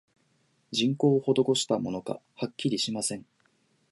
人工をほどこしたものか、はっきりしません